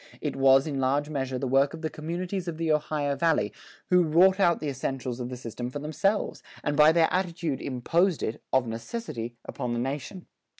It was in large measure the work of the communities of the Ohio Valley who wrought out the essentials of the system for themselves, and by their attitude imposed it, of necessity, upon the nation.